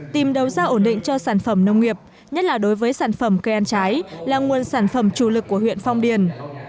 tìm đầu ra ổn định cho sản phẩm nông nghiệp nhất là đối với sản phẩm cây ăn trái là nguồn sản phẩm chủ lực của huyện phong điền